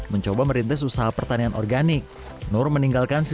mencoba merintis usaha pertanian organik